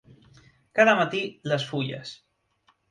Cada matí les fulles.